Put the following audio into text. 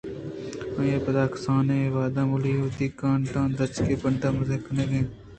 آئی ءَ پتاہ ءُ کنس کن وہد ءُ موہ لدی ئِے وتی کانٹاں درٛچکے ءِ بُنڈےءَمَرزَانءَ تینز کنگ ءَ دزگُلاش اَت